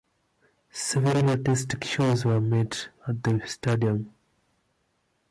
Several artistic shows were made at the stadium.